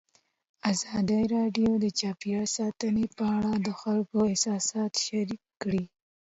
ازادي راډیو د چاپیریال ساتنه په اړه د خلکو احساسات شریک کړي.